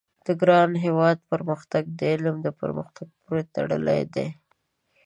د ګران هېواد پرمختګ د علم د پرمختګ پوري تړلی دی